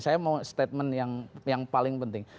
saya mau statement yang paling penting